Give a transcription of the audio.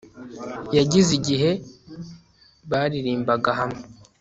Yagize igihe baririmbaga hamwe